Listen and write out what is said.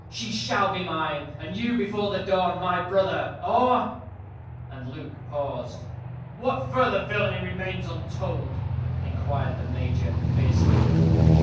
She shall be mine, and you, before the dawn, my brother, or " And Luke paused. "What further villainy remains untold?" inquired the Major, fiercely.